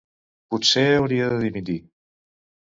Potser hauria de dimitir.